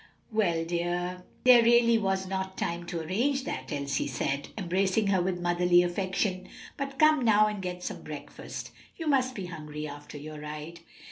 "Well, dear, there really was not time to arrange that," Elsie said, embracing her with motherly affection. "But come now and get some breakfast. You must be hungry after your ride."